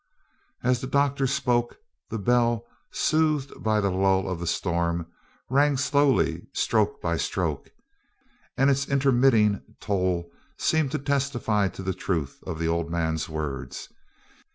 As the doctor spoke, the bell, soothed by a lull of the storm, rang slowly stroke by stroke, and its intermitting toll seemed to testify to the truth of the old man's words.